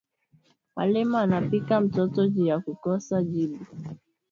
Mwalimu anapika mtoto juya kukosa jibu